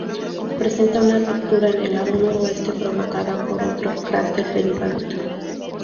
Presenta una ruptura en el lado noroeste, provocada por otro cráter de impacto.